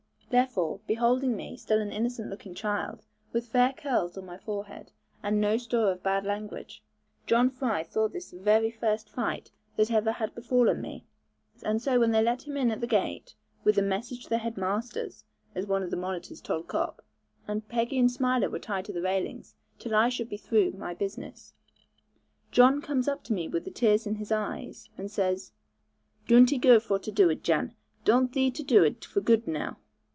Therefore, beholding me still an innocent looking child, with fair curls on my forehead, and no store of bad language, John Fry thought this was the very first fight that ever had befallen me; and so when they let him at the gate, 'with a message to the headmaster,' as one of the monitors told Cop, and Peggy and Smiler were tied to the railings, till I should be through my business, John comes up to me with the tears in his eyes, and says, 'Doon't thee goo for to do it, Jan; doon't thee do it, for gude now.'